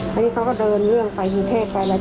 ใช่อันนี้เขาก็เดินเรื่องไฟฮีเทศไปแล้ว